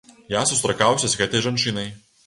Я сустракаўся з гэтай жанчынай.